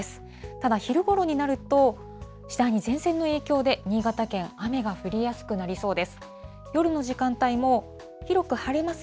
ただ、昼ごろになると、次第に前線の影響で、新潟県、雨が降りやすくなりそうです。